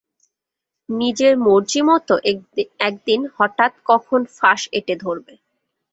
নিজের মর্জিমত একদিন হঠাৎ কখন ফাঁস এঁটে ধরবে।